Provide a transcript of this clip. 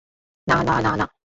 না না না না।